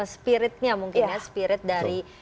spiritnya mungkin ya spirit dari